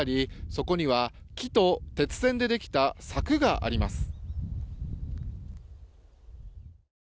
そこには木と鉄線でできた柵があります。